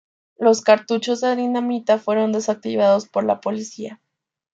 Los cartuchos de dinamita fueron desactivados por la policía.